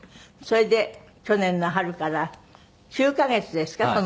それで去年の春から９カ月ですか？